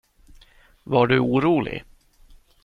Var du orolig?